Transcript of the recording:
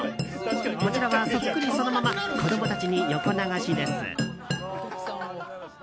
こちらはそっくりそのまま子供たちに横流しです。